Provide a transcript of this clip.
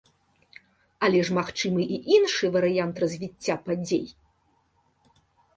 Але ж магчымы і іншы варыянт развіцця падзей.